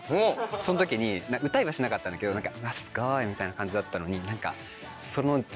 その時に歌いはしなかったんだけど「すごい」みたいな感じだった。